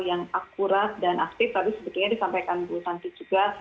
yang akurat dan aktif tapi sebetulnya disampaikan bu santi juga